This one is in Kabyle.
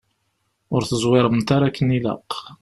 Ur teẓwiremt ara akken ilaq.